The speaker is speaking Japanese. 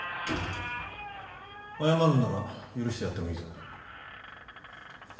謝るんなら許してやってもいいぞ。